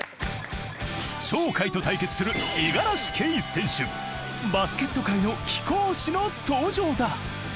鳥海と対決するバスケット界の貴公子の登場だ。